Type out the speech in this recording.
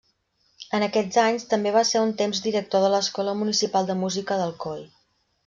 En aquests anys també va ser un temps director de l'Escola Municipal de Música d'Alcoi.